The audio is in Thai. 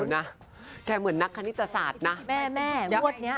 นะแกเหมือนนักคณิตศาสตร์นะแม่แม่งวดนี้